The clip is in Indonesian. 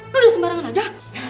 kamu disembarangan aja